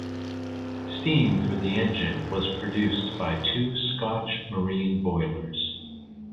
Steam for the engine was produced by two Scotch marine boilers.